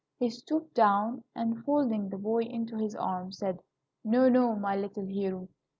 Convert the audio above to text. He stooped down, and, folding the boy in his arms, said: "No, no, my little hero.